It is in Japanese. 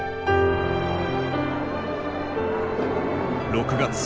６月。